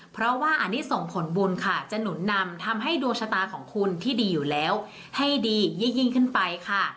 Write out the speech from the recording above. เพราะว่าอันนี้ส่งผลบุญค่ะจะหนุนนำทำให้ดวงชะตาของคุณที่ดีอยู่แล้วให้ดียิ่งขึ้นไปค่ะ